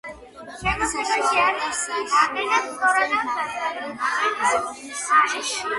დობერმანი საშუალო და საშუალოზე მაღალი ზომის ჯიშია.